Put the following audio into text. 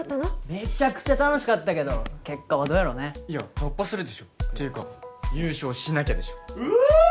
メチャクチャ楽しかったけど結果はどうやろうねいや突破するでしょていうか優勝しなきゃでしょうお！